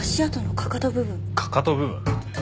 かかと部分？